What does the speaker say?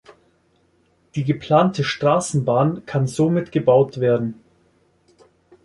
Die geplante Strassenbahn kann somit gebaut werden.